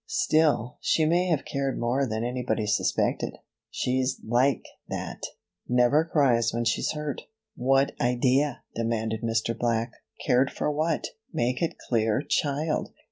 Still, she may have cared more than anybody suspected. She's like that never cries when she's hurt." "What idea?" demanded Mr. Black. "Cared for what? Make it clear, child."